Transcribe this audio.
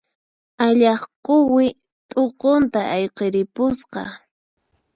Allaq quwi t'uqunta ayqiripusqa.